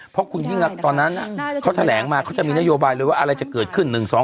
เพราะคุณยิ่งรักตอนนั้นเขาแถลงมาเขาจะมีนโยบายเลยว่าอะไรจะเกิดขึ้น๑๒๒